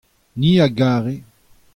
ni a gare.